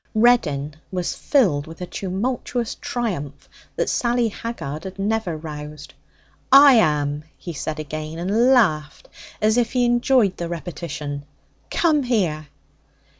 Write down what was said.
Reddin was filled with a tumultuous triumph that Sally Haggard had never roused. 'I am,' he said again, and laughed as if he enjoyed the repetition. 'Come here!'